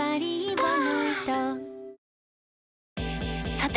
さて！